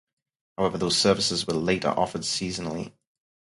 However, those services were later offered seasonally.